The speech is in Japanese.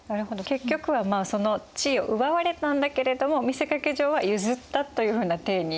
結局はその地位を奪われたんだけれども見せかけ上は譲ったというふうな体にしたわけなんですね。